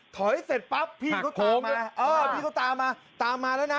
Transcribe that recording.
ถอยเสร็จปั๊บพี่เขาโทรมาเออพี่เขาตามมาตามมาแล้วนะ